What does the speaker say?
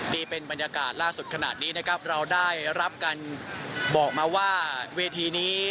นี่เป็นบรรยากาศล่าสุดขนาดนี้นะครับเราได้รับการบอกมาว่าเวทีนี้